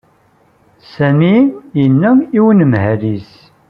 Sami yenna i unemhal-is.